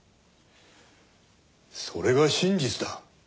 それが真実だ。